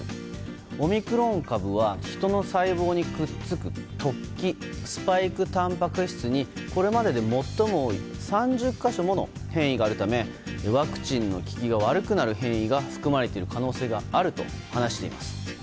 オミクロン株はヒトの細胞にくっつく突起、スパイクたんぱく質にこれまでで最も多い３０か所もの変異があるためワクチンの効きが悪くなる変異が含まれている可能性があると話しています。